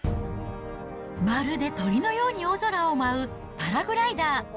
まるで鳥のように大空を舞うパラグライダー。